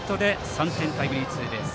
３点タイムリーツーベース。